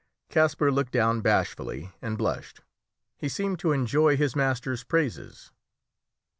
Kasper looked down bashfully and blushed; he seemed to enjoy his master's praises.